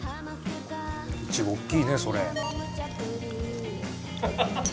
イチゴ大きいねそれ。